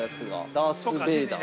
ダース・ベイダー。